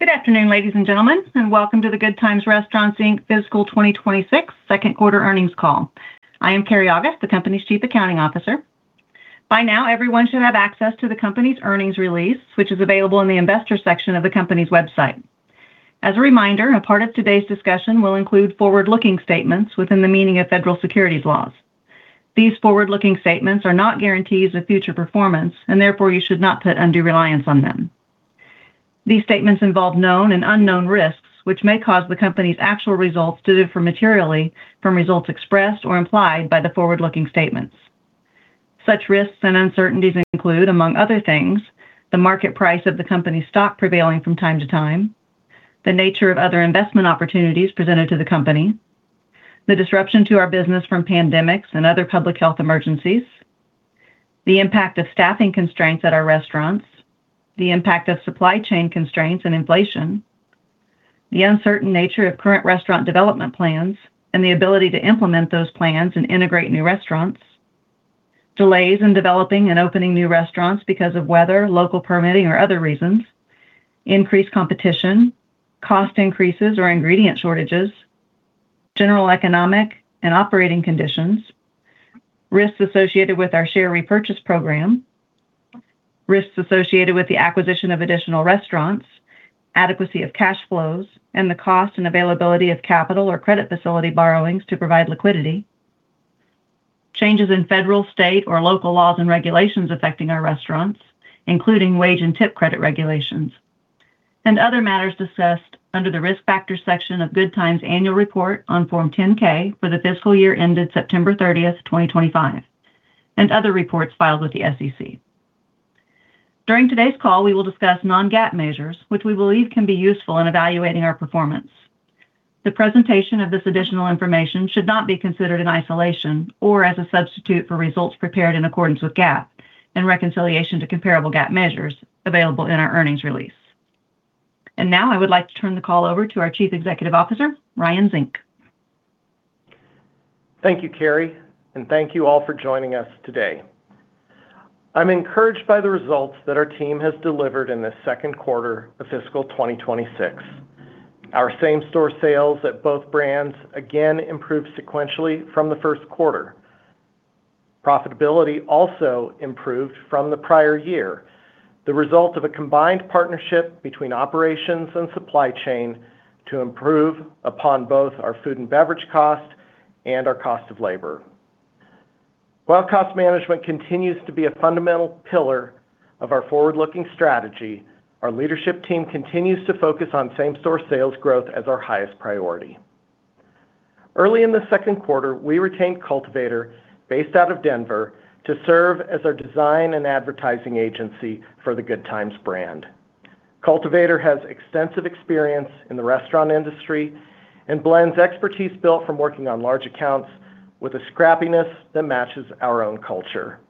Good afternoon, ladies and gentlemen, and welcome to the Good Times Restaurants Inc. Fiscal 2026 Second Quarter Earnings Call. I am Keri August, the company's chief accounting officer. By now, everyone should have access to the company's earnings release, which is available in the Investors section of the company's website. As a reminder, a part of today's discussion will include forward-looking statements within the meaning of federal securities laws. These forward-looking statements are not guarantees of future performance, therefore, you should not put undue reliance on them. These statements involve known and unknown risks, which may cause the company's actual results to differ materially from results expressed or implied by the forward-looking statements. Such risks and uncertainties include, among other things, the market price of the company's stock prevailing from time to time, the nature of other investment opportunities presented to the company, the disruption to our business from pandemics and other public health emergencies, the impact of staffing constraints at our restaurants, the impact of supply chain constraints and inflation, the uncertain nature of current restaurant development plans, and the ability to implement those plans and integrate new restaurants, delays in developing and opening new restaurants because of weather, local permitting, or other reasons, increased competition, cost increases or ingredient shortages. General economic and operating conditions, risks associated with our share repurchase program, risks associated with the acquisition of additional restaurants, adequacy of cash flows, and the cost and availability of capital or credit facility borrowings to provide liquidity, changes in federal, state, or local laws and regulations affecting our restaurants, including wage and tip credit regulations, and other matters discussed under the Risk Factors section of Good Times annual report on Form 10-K for the fiscal year ended September 30th, 2025, and other reports filed with the SEC. During today's call, we will discuss non-GAAP measures, which we believe can be useful in evaluating our performance. The presentation of this additional information should not be considered in isolation or as a substitute for results prepared in accordance with GAAP and reconciliation to comparable GAAP measures available in our earnings release. Now I would like to turn the call over to our Chief Executive Officer, Ryan Zink. Thank you, Keri, and thank you all for joining us today. I'm encouraged by the results that our team has delivered in the second quarter of fiscal 2026. Our same-store sales at both brands again improved sequentially from the first quarter. Profitability also improved from the prior year, the result of a combined partnership between operations and supply chain to improve upon both our food and beverage cost and our cost of labor. While cost management continues to be a fundamental pillar of our forward-looking strategy, our leadership team continues to focus on same-store sales growth as our highest priority. Early in the second quarter, we retained Cultivator, based out of Denver, to serve as our design and advertising agency for the Good Times brand. Cultivator has extensive experience in the restaurant industry and blends expertise built from working on large accounts with a scrappiness that matches our own culture.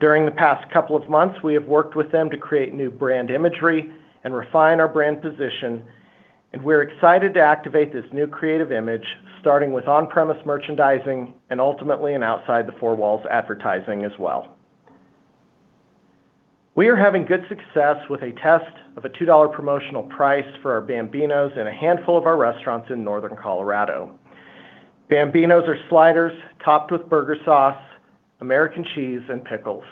During the past couple of months, we have worked with them to create new brand imagery and refine our brand position, and we're excited to activate this new creative image, starting with on-premise merchandising and ultimately in outside-the-four-walls advertising as well. We are having good success with a test of a $2 promotional price for our Bambinos in a handful of our restaurants in northern Colorado. Bambinos are sliders topped with burger sauce, American cheese, and pickles.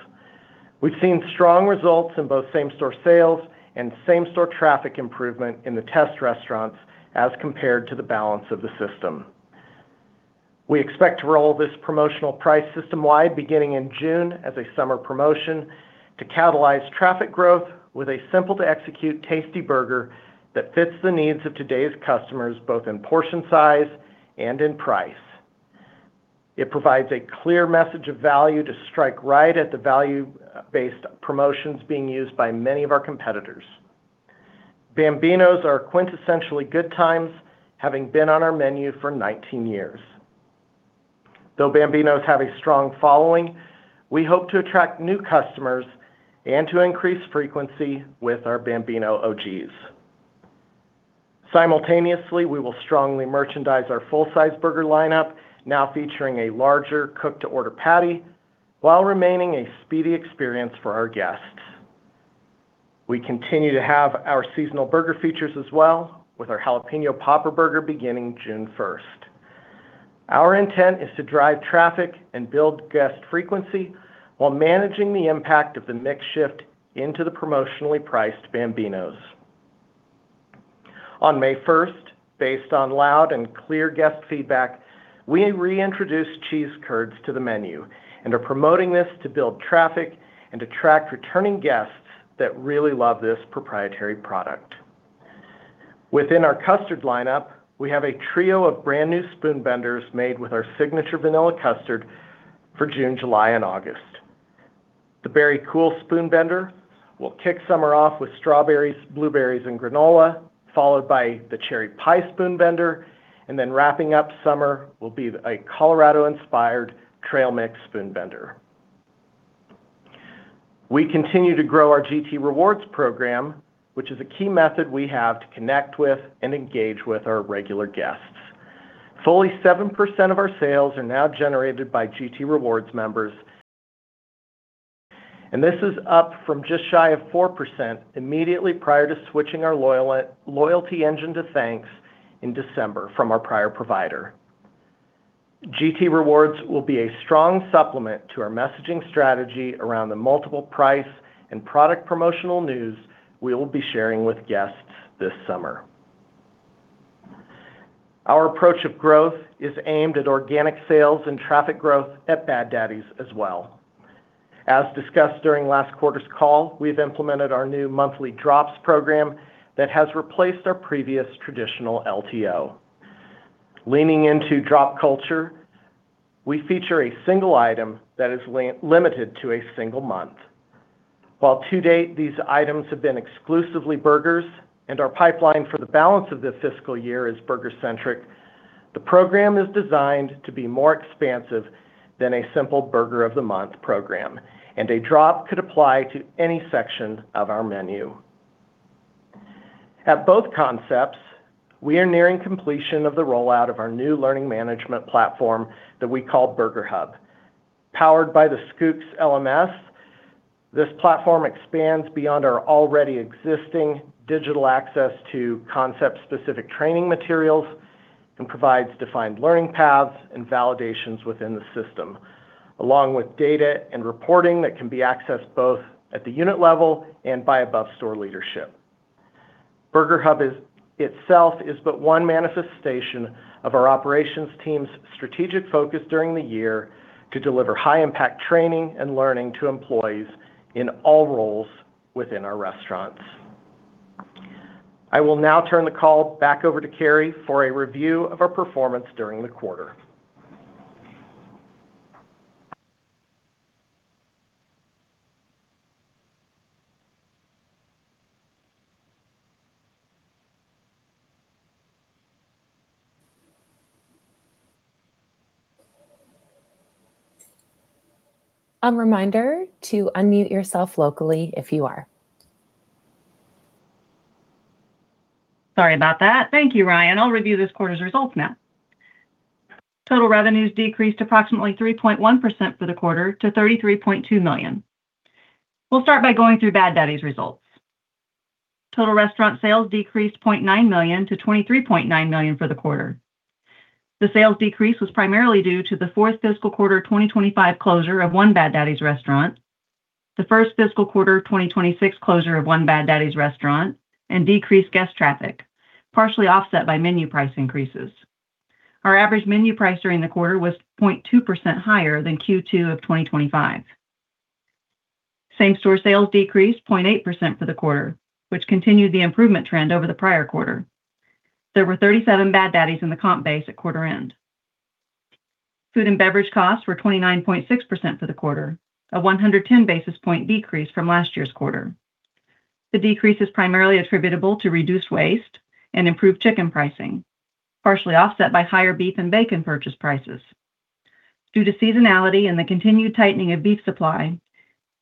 We've seen strong results in both same-store sales and same-store traffic improvement in the test restaurants as compared to the balance of the system. We expect to roll this promotional price system-wide beginning in June as a summer promotion to catalyze traffic growth with a simple-to-execute tasty burger that fits the needs of today's customers, both in portion size and in price. It provides a clear message of value to strike right at the value-based promotions being used by many of our competitors. Bambinos are quintessentially Good Times, having been on our menu for 19-years. Though Bambinos have a strong following, we hope to attract new customers and to increase frequency with our Bambino OGs. Simultaneously, we will strongly merchandise our full-size burger lineup, now featuring a larger cook-to-order patty, while remaining a speedy experience for our guests. We continue to have our seasonal burger features as well, with our Jalapeno Popper Burger beginning June first. Our intent is to drive traffic and build guest frequency while managing the impact of the mix shift into the promotionally priced Bambinos. On May first, based on loud and clear guest feedback, we reintroduced cheese curds to the menu and are promoting this to build traffic and attract returning guests that really love this proprietary product. Within our custard lineup, we have a trio of brand-new spoon benders made with our signature vanilla custard for June, July, and August. The Berry Cool Spoon Bender will kick summer off with strawberries, blueberries, and granola, followed by the Cherry Pie Spoon Bender. Then wrapping up summer will be a Colorado-inspired Trail Mix Spoon Bender. We continue to grow our GT Rewards program, which is a key method we have to connect with and engage with our regular guests. Fully 7% of our sales are now generated by GT Rewards members. This is up from just shy of 4% immediately prior to switching our loyalty engine to Thanx in December from our prior provider. GT Rewards will be a strong supplement to our messaging strategy around the multiple price and product promotional news we will be sharing with guests this summer. Our approach of growth is aimed at organic sales and traffic growth at Bad Daddy's as well. As discussed during last quarter's call, we've implemented our new monthly drops program that has replaced our previous traditional LTO. Leaning into drop culture, we feature a single item that is limited to a single month. While to date, these items have been exclusively burgers, and our pipeline for the balance of this fiscal year is burger-centric, the program is designed to be more expansive than a simple burger of the month program, and a drop could apply to any section of our menu. At both concepts, we are nearing completion of the rollout of our new learning management platform that we call Burger Hub. Powered by the Schoox LMS, this platform expands beyond our already existing digital access to concept-specific training materials and provides defined learning paths and validations within the system, along with data and reporting that can be accessed both at the unit level and by above store leadership. Burger Hub itself is but one manifestation of our operations team's strategic focus during the year to deliver high-impact training and learning to employees in all roles within our restaurants. I will now turn the call back over to Keri for a review of our performance during the quarter. A reminder to unmute yourself locally if you are. Sorry about that. Thank you, Ryan. I'll review this quarter's results now. Total revenues decreased approximately 3.1% for the quarter to $33.2 million. We'll start by going through Bad Daddy's results. Total restaurant sales decreased $0.9 million-$23.9 million for the quarter. The sales decrease was primarily due to the fourth fiscal quarter 2025 closure of one Bad Daddy's restaurant, the first fiscal quarter 2026 closure of one Bad Daddy's restaurant, and decreased guest traffic, partially offset by menu price increases. Our average menu price during the quarter was 0.2% higher than Q2 of 2025. Same-store sales decreased 0.8% for the quarter, which continued the improvement trend over the prior quarter. There were 37 Bad Daddy's in the comp base at quarter end. Food and beverage costs were 29.6% for the quarter, a 110 basis point decrease from last year's quarter. The decrease is primarily attributable to reduced waste and improved chicken pricing, partially offset by higher beef and bacon purchase prices. Due to seasonality and the continued tightening of beef supply,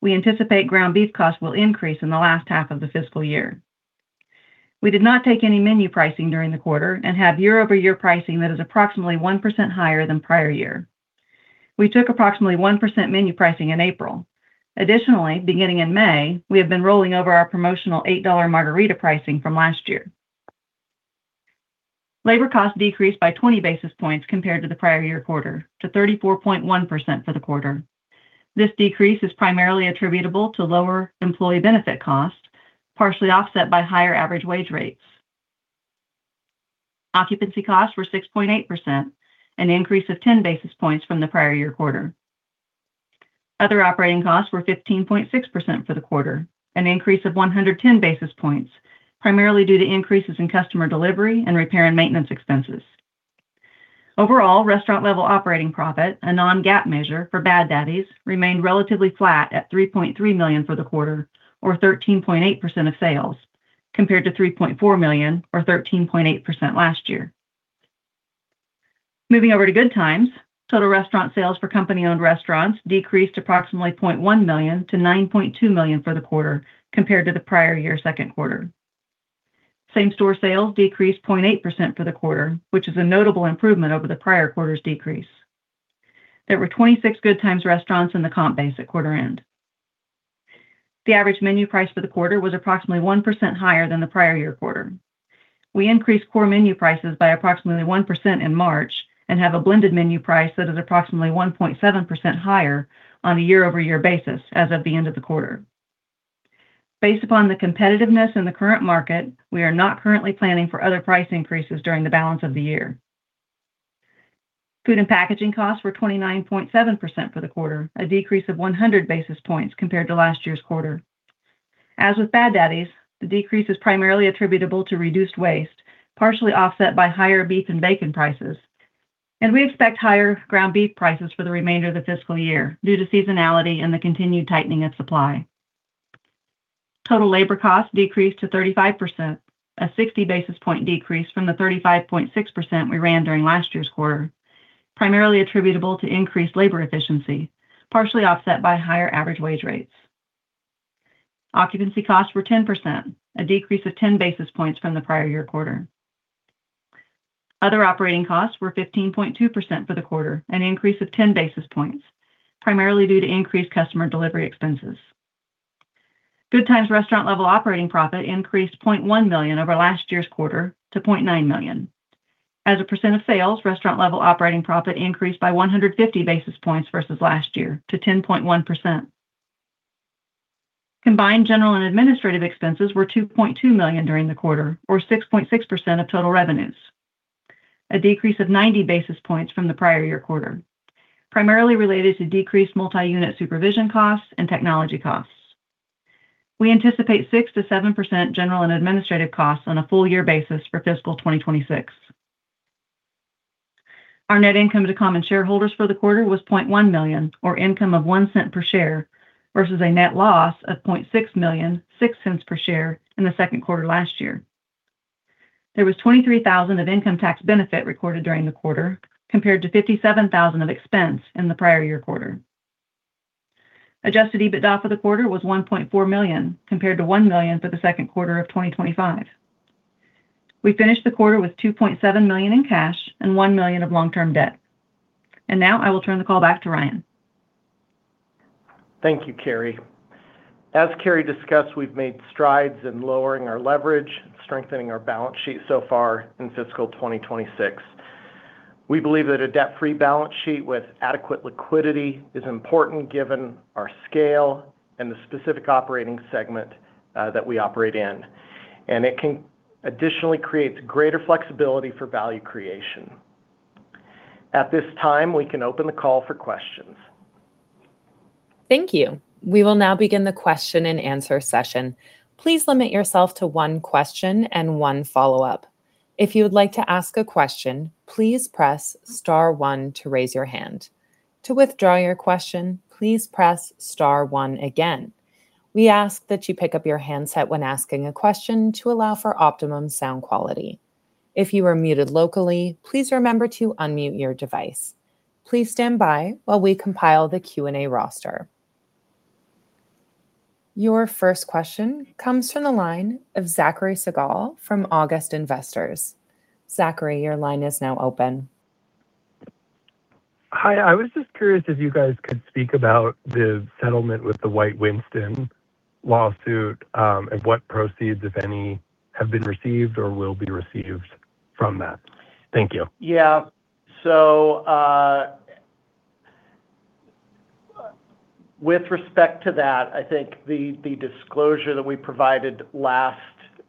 we anticipate ground beef costs will increase in the last half of the fiscal year. We did not take any menu pricing during the quarter and have year-over-year pricing that is approximately 1% higher than prior year. We took approximately 1% menu pricing in April. Additionally, beginning in May, we have been rolling over our promotional $8 margarita pricing from last year. Labor costs decreased by 20 basis points compared to the prior year quarter to 34.1% for the quarter. This decrease is primarily attributable to lower employee benefit costs, partially offset by higher average wage rates. Occupancy costs were 6.8%, an increase of 10 basis points from the prior year quarter. Other operating costs were 15.6% for the quarter, an increase of 110 basis points, primarily due to increases in customer delivery and repair and maintenance expenses. Overall, restaurant level operating profit, a non-GAAP measure for Bad Daddy's, remained relatively flat at $3.3 million for the quarter or 13.8% of sales, compared to $3.4 million or 13.8% last year. Moving over to Good Times, total restaurant sales for company-owned restaurants decreased approximately $0.1 million-$9.2 million for the quarter compared to the prior year second quarter. Same store sales decreased 0.8% for the quarter, which is a notable improvement over the prior quarter's decrease. There were 26 Good Times Restaurants in the comp base at quarter end. The average menu price for the quarter was approximately 1% higher than the prior year quarter. We increased core menu prices by approximately 1% in March and have a blended menu price that is approximately 1.7% higher on a year-over-year basis as of the end of the quarter. Based upon the competitiveness in the current market, we are not currently planning for other price increases during the balance of the year. Food and packaging costs were 29.7% for the quarter, a decrease of 100 basis points compared to last year's quarter. As with Bad Daddy's, the decrease is primarily attributable to reduced waste, partially offset by higher beef and bacon prices. We expect higher ground beef prices for the remainder of the fiscal year due to seasonality and the continued tightening of supply. Total labor costs decreased to 35%, a 60 basis point decrease from the 35.6% we ran during last year's quarter, primarily attributable to increased labor efficiency, partially offset by higher average wage rates. Occupancy costs were 10%, a decrease of 10 basis points from the prior year quarter. Other operating costs were 15.2% for the quarter, an increase of 10 basis points, primarily due to increased customer delivery expenses. Good Times restaurant level operating profit increased $0.1 million over last year's quarter to $0.9 million. As a percent of sales, restaurant-level operating profit increased by 150 basis points versus last year to 10.1%. Combined general and administrative expenses were $2.2 million during the quarter or 6.6% of total revenues. A decrease of 90 basis points from the prior year quarter, primarily related to decreased multi-unit supervision costs and technology costs. We anticipate 6%-7% general and administrative costs on a full year basis for fiscal 2026. Our net income to common shareholders for the quarter was $0.1 million or income of $0.01 per share, versus a net loss of $0.6 million, $0.06 per share in the second quarter last year. There was $23,000 of income tax benefit recorded during the quarter, compared to $57,000 of expense in the prior year quarter. Adjusted EBITDA for the quarter was $1.4 million, compared to $1 million for the second quarter of 2025. We finished the quarter with $2.7 million in cash and $1 million of long-term debt. Now I will turn the call back to Ryan. Thank you, Keri. As Keri discussed, we've made strides in lowering our leverage, strengthening our balance sheet so far in fiscal 2026. We believe that a debt-free balance sheet with adequate liquidity is important given our scale and the specific operating segment that we operate in. It can additionally create greater flexibility for value creation. At this time, we can open the call for questions. Thank you. We will now begin the question-and-answer session. Please limit yourself to one question and one follow-up. If you would like to ask a question, please press star one to raise your hand. To withdraw your question, please press star one again. We ask that you pick up your handset when asking a question to allow for optimum sound quality. If you are muted locally, please remember to unmute your device. Please stand by while we compile the Q&A roster. Your first question comes from the line of Zachary Segal from August Investors. Zachary, your line is now open. Hi. I was just curious if you guys could speak about the settlement with the White Winston lawsuit, and what proceeds, if any, have been received or will be received from that. Thank you. Yeah. With respect to that, I think the disclosure that we provided last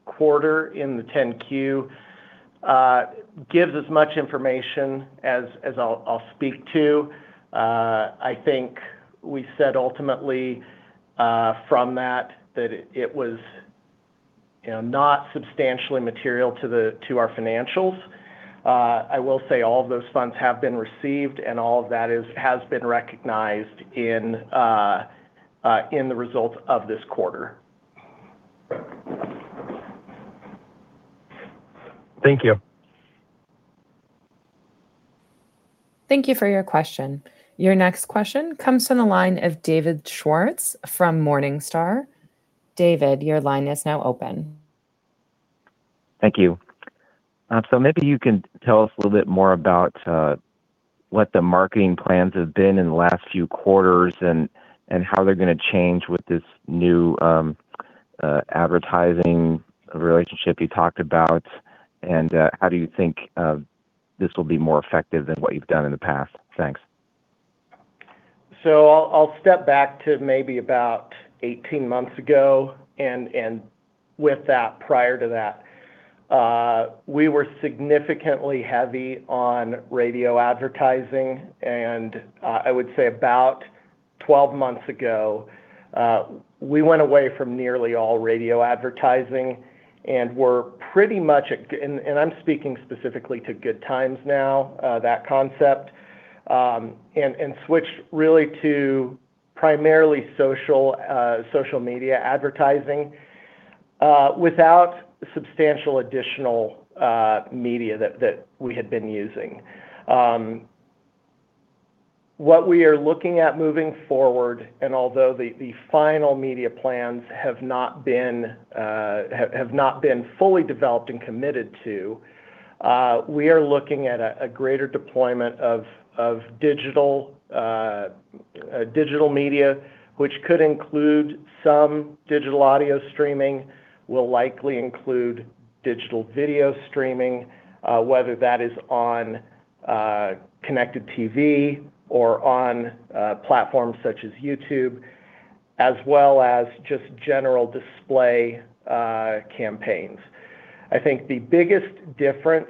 quarter in the 10-Q gives as much information as I'll speak to. I think we said ultimately from that it was, you know, not substantially material to our financials. I will say all of those funds have been received and all of that has been recognized in the results of this quarter. Thank you. Thank you for your question. Your next question comes from the line of David Swartz from Morningstar. David, your line is now open. Thank you. Maybe you can tell us a little bit more about what the marketing plans have been in the last few quarters and how they're gonna change with this new, advertising relationship you talked about. How do you think, this will be more effective than what you've done in the past? Thanks. I'll step back to maybe about 18-months ago and with that, prior to that. We were significantly heavy on radio advertising. I would say about 12-months ago, we went away from nearly all radio advertising and were pretty much, I'm speaking specifically to Good Times now, that concept, switched really to primarily social media advertising without substantial additional media that we had been using. What we are looking at moving forward, although the final media plans have not been fully developed and committed to, we are looking at a greater deployment of digital media, which could include some digital audio streaming, will likely include digital video streaming, whether that is on connected TV or on platforms such as YouTube, as well as just general display campaigns. I think the biggest difference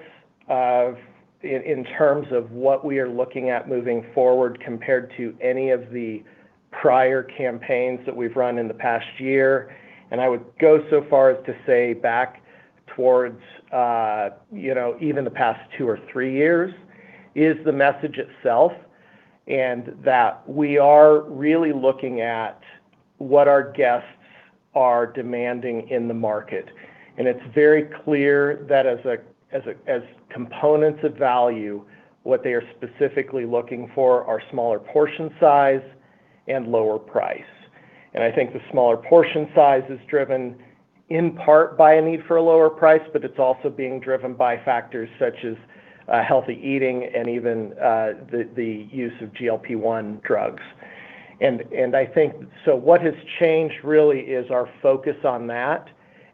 in terms of what we are looking at moving forward compared to any of the prior campaigns that we've run in the past year, and I would go so far as to say back towards, you know, even the past two or three-years, is the message itself, and that we are really looking at what our guests are demanding in the market. It's very clear that as components of value, what they are specifically looking for are smaller portion size and lower price. I think the smaller portion size is driven in part by a need for a lower price, but it's also being driven by factors such as healthy eating and even the use of GLP-1 drugs. What has changed really is our focus on that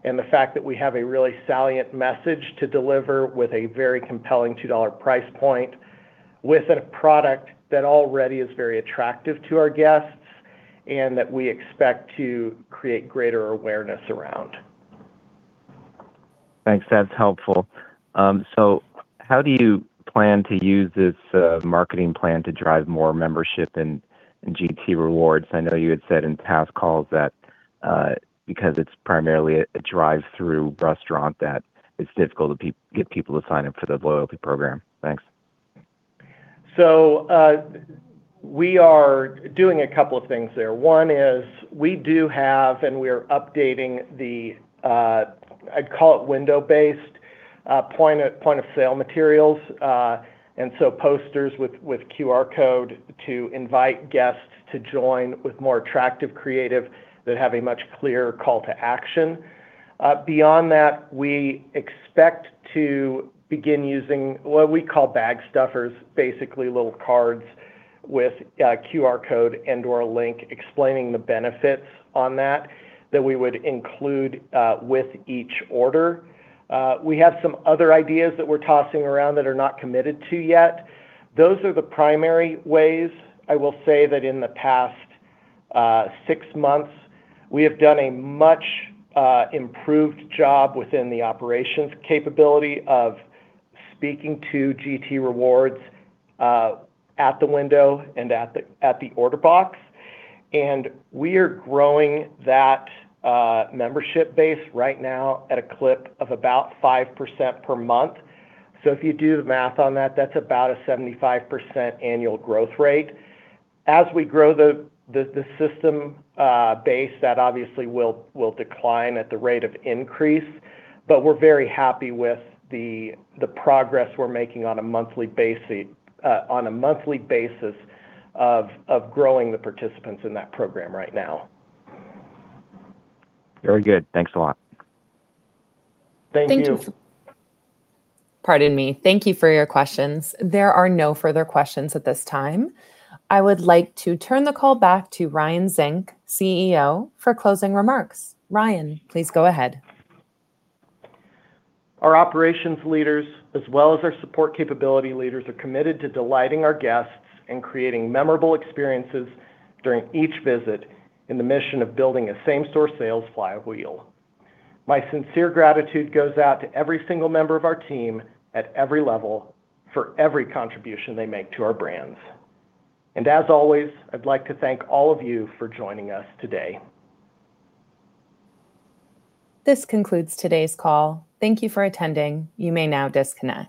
and the fact that we have a really salient message to deliver with a very compelling $2 price point with a product that already is very attractive to our guests and that we expect to create greater awareness around. Thanx. That's helpful. How do you plan to use this marketing plan to drive more membership in GT Rewards? I know you had said in past calls that, because it's primarily a drive-through restaurant, that it's difficult to get people to sign up for the loyalty program. Thanx. We are doing a couple of things there. One is we do have, and we are updating the, I'd call it window-based, point of sale materials. Posters with QR code to invite guests to join with more attractive creative that have a much clearer call to action. Beyond that, we expect to begin using what we call bag stuffers, basically little cards with QR code and/or a link explaining the benefits on that we would include with each order. We have some other ideas that we're tossing around that are not committed to yet. Those are the primary ways. I will say that in the past, six-months, we have done a much improved job within the operations capability of speaking to GT Rewards at the window and at the order box. We are growing that membership base right now at a clip of about 5% per month. If you do the math on that's about a 75% annual growth rate. As we grow the system base, that obviously will decline at the rate of increase. We're very happy with the progress we're making on a monthly basis of growing the participants in that program right now. Very good. Thanks a lot. Thank you. Pardon me. Thank you for your questions. There are no further questions at this time. I would like to turn the call back to Ryan Zink, CEO, for closing remarks. Ryan, please go ahead. Our operations leaders, as well as our support capability leaders, are committed to delighting our guests and creating memorable experiences during each visit in the mission of building a same-store sales flywheel. My sincere gratitude goes out to every single member of our team at every level for every contribution they make to our brands. As always, I'd like to thank all of you for joining us today. This concludes today's call. Thank you for attending. You may now disconnect.